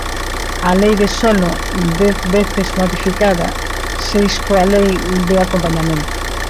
A Lei de solo, dez veces modificada, seis coa Lei de acompañamento.